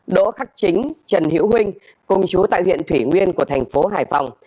đỗ khắc chính trần hiễu huynh cùng chú tại huyện thủy nguyên của thành phố hải phòng